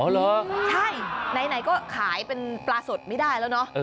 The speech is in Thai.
เหรอใช่ไหนก็ขายเป็นปลาสดไม่ได้แล้วเนอะ